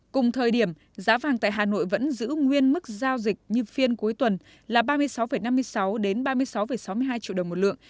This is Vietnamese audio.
cùng thời điểm giá vàng tại hà nội vẫn giữ nguyên mức giao dịch như phiên cuối tuần là ba mươi sáu năm mươi sáu ba mươi sáu sáu mươi hai triệu đồng một lượng